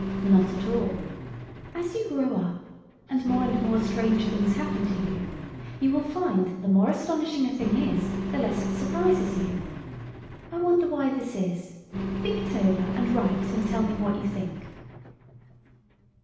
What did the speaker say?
Not at all. As you grow up, and more and more strange things happen to you, you will find that the more astonishing a thing is the less it surprises you. (I wonder why this is. Think it over, and write and tell me what you think.)